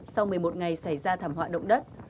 sau một mươi một ngày xảy ra thảm họa động đất